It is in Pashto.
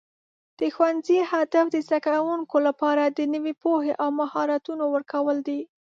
د ښوونځي هدف د زده کوونکو لپاره د نوي پوهې او مهارتونو ورکول دي.